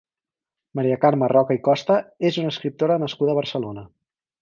Maria Carme Roca i Costa és una escriptora nascuda a Barcelona.